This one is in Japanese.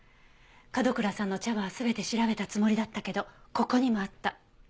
角倉さんの茶葉は全て調べたつもりだったけどここにもあった。